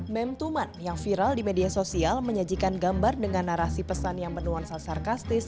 mem tuman yang viral di media sosial menyajikan gambar dengan narasi pesan yang menuan sarkastis